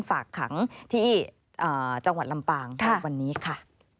ฝากขังที่จังหวัดลำปางวันนี้ค่ะ